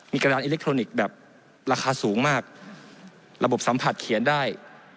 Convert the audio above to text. กระดานอิเล็กทรอนิกส์แบบราคาสูงมากระบบสัมผัสเขียนได้